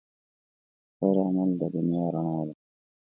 د خیر عمل د دنیا رڼا ده.